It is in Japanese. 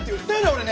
俺ね！